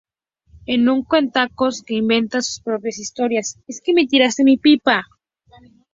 Es un cuentacuentos, que inventa sus propias historias.